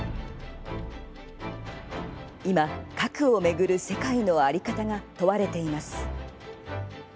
今、核を巡る世界の在り方が問われています。